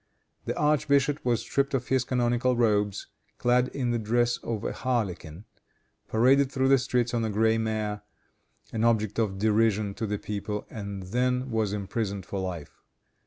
The archbishop was stripped of his canonical robes, clad in the dress of a harlequin, paraded through the streets on a gray mare, an object of derision to the people, and then was imprisoned for life.